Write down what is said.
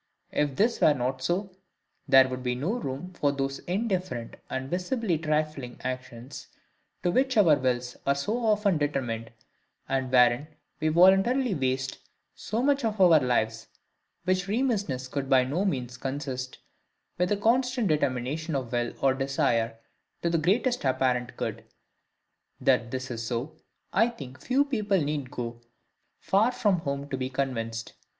If this were not so, there could be no room for those indifferent and visibly trifling actions, to which our wills are so often determined, and wherein we voluntarily waste so much of our lives; which remissness could by no means consist with a constant determination of will or desire to the greatest apparent good. That this is so, I think few people need go far from home to be convinced.